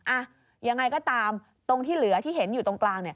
อ่ะยังไงก็ตามตรงที่เหลือที่เห็นอยู่ตรงกลาง